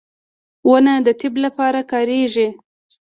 • ونه د طب لپاره کارېږي.